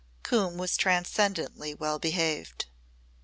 Coombe was transcendently well behaved.